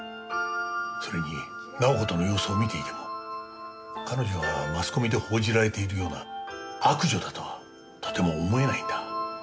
それに直子との様子を見ていても彼女はマスコミで報じられているような悪女だとはとても思えないんだ。